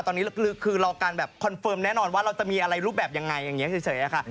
ตอนนี้คือรอการแบบคอนเฟิร์มแน่นอนว่าเราจะมีอะไรรูปแบบยังไงอย่างนี้เฉยค่ะ